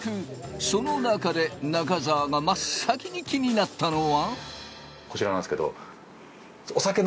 その中で中澤が真っ先に気になったのは。